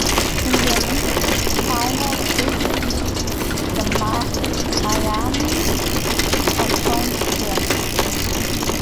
In the Olympics final Biggs beat Damiani on points again.